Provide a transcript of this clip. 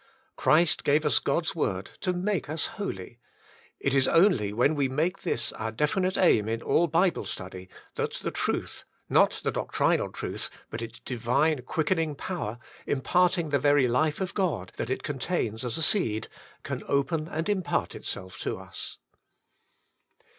Christ gave us God's Word to make us holy, it is only when we make this our definite aim in all Bible study, that the truth, not the doctrinal truth, but its Divine quickening power, impart ing the very life of God, that it contains as a seed, can open and impart itself to us.